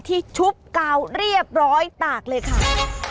ชุบกาวเรียบร้อยตากเลยค่ะ